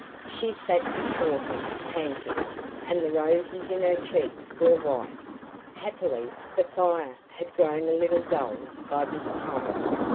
She sat before him, panting, and the roses in her cheeks were white. Happily, the fire had grown a little dull by this time.